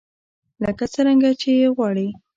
لکه څرنګه يې چې غواړئ.